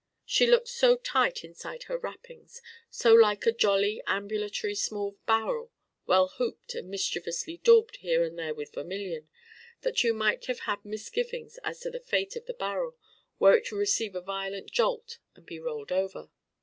She looked so tight inside her wrappings, so like a jolly ambulatory small barrel well hooped and mischievously daubed here and there with vermilion, that you might have had misgivings as to the fate of the barrel, were it to receive a violent jolt and be rolled over.